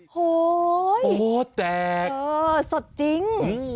โอ้โฮแตกสดจริงโอ้โฮแตกสดจริง